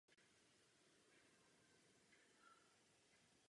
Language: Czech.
Truhlářství zde vyrábělo především dřevěné skříňky rádií a reproduktorů.